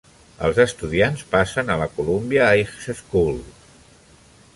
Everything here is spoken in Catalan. Els estudiants passen a la Columbia High School.